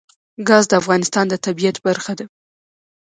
ګاز د افغانستان د طبیعت برخه ده.